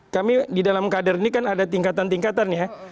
kami di dalam kader ini kan ada tingkatan tingkatan ya